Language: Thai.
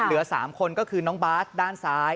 เหลือ๓คนก็คือน้องบาสด้านซ้าย